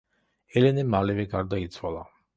ელენე მალევე გარდაიცვალა.